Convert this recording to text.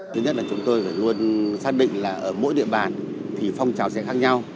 thứ nhất là chúng tôi phải luôn xác định là ở mỗi địa bàn thì phong trào sẽ khác nhau